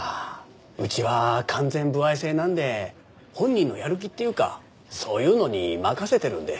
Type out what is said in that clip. うちは完全歩合制なんで本人のやる気っていうかそういうのに任せてるんで。